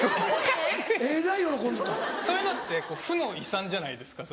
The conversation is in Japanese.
そういうのって負の遺産じゃないですか